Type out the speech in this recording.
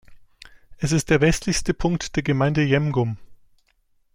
Es ist der westlichste Punkt der Gemeinde Jemgum.